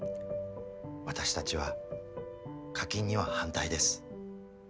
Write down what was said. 私たちは課金には反対です。